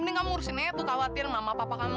mending kamu urusin aja tuh khawatirin mama papa kamu